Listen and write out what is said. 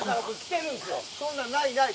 そんなん、ないない。